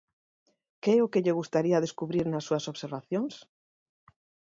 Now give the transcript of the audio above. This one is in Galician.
Que é o que lle gustaría descubrir nas súas observacións?